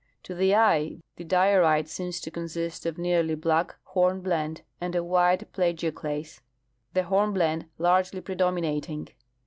To the eye the diorite seems to consist of nearly black hornblende and a white plagioclase, the hornblende largely predominating.